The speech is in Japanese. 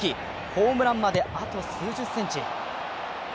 ホームランまであと数十センチ。